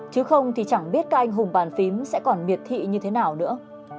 chứ không thì chẳng biết các anh hùng bàn phím sẽ còn miệt thị như thế nào nữa